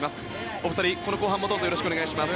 お二人、後半もどうぞよろしくお願いします。